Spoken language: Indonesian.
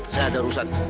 saya ada urusan